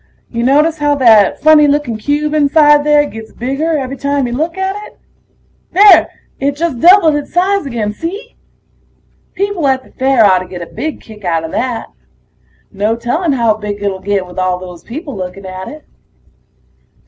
Ya notice how that funny looking cube inside there gets bigger every time you look at it? There ... it just doubled its size again, see? People at the fair oughtta get a big kick outta that. No telling how big it'll get with all those people looking at it.